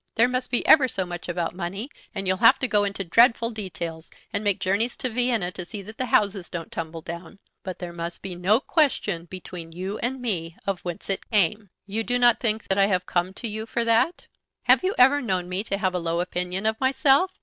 There must be ever so much about money, and you'll have to go into dreadful details, and make journeys to Vienna to see that the houses don't tumble down; but there must be no question between you and me of whence it came." "You will not think that I have to come to you for that?" "Have you ever known me to have a low opinion of myself?